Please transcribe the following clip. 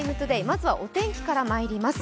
まずはお天気からまいります。